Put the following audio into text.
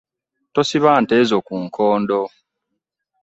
Tosiba nte zo ku nkondo.